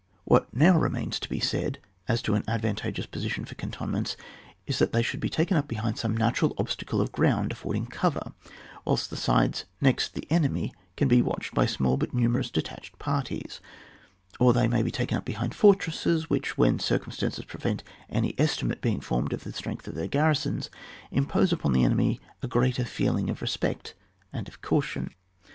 What now remains to be said as to an advantageous position for cantonments is that they should be taken up behind some natural obstacle of ground afford ing cover, whilst the sides next the enemy can be watched by small but numerous detached parties ; or they may be taken up behind fortresses, which, when circum stances prevent any estimate being formed of the strength of their garrisons, impose upon the enemy a greater feeling of re spect and and caution.